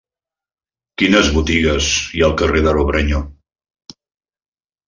Quines botigues hi ha al carrer de Robrenyo?